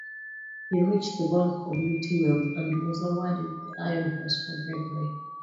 He reached the rank of lieutenant and was awarded the Iron Cross for bravery.